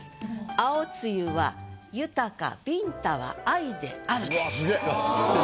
「青梅雨は豊かビンタは愛である」。